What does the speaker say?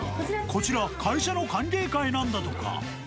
こちら、会社の歓迎会なんだとか。